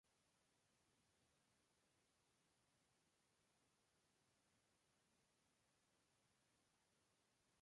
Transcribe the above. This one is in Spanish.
Durante su gestión como ministro de esta área se creó el Instituto Boliviano Cinematográfico.